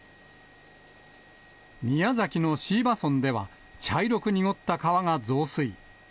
宮崎の椎葉村では、茶色く濁った川が増水。